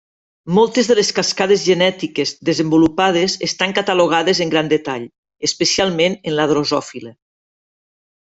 Moltes de les cascades genètiques desenvolupament estan catalogades en gran detall, especialment en la drosòfila.